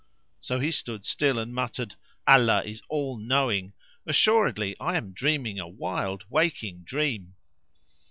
So he stood still and muttered, "Allah is all knowing! Assuredly I am dreaming a wild waking dream!"